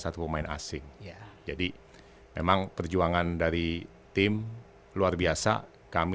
semua orang mempunyai kepentingan